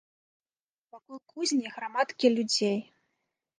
Вакол кузні грамадкі людзей.